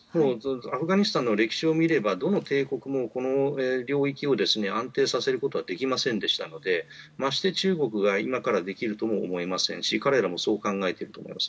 アフガニスタンの歴史を見ればどの帝国もこの領域を安定させることはできませんでしたのでまして、中国が今からできるとも思いませんし彼らもそう考えていると思います。